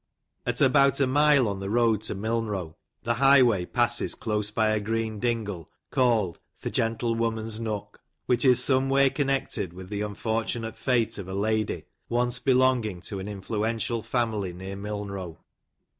At about a mile on the road to Milnrow, the highway passes close by a green dingle, called " Th' Gentlewoman's Nook," which is someway connected with the unfortunate fate of a lady, once belonging to an influential famdy, near Milnrow.